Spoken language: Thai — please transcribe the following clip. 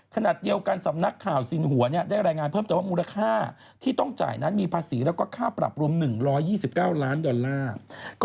ขณะเดียวกันสำนักข่าวสินหัวได้รายงานเพิ่มเติมว่ามูลค่าที่ต้องจ่ายนั้นมีภาษีแล้วก็ค่าปรับรวม๑๒๙ล้านดอลลาร์